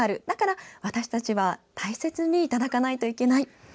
だから私たちは大切にいただかないといけない。